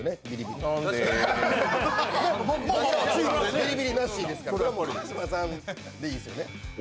ビリビリなしですから川島さんでいいですよね？